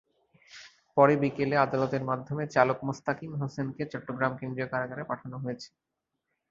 পরে বিকেলে আদালতের মাধ্যমে চালক মোস্তাকিম হোসেনকে চট্টগ্রাম কেন্দ্রীয় কারাগারে পাঠানো হয়েছে।